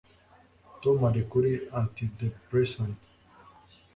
Tom ari kuri antidepressants